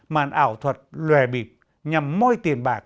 màn ảo thuật lòe bịp nhằm moi tiền bạc